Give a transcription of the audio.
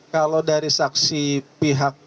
kalau dari saksi pihak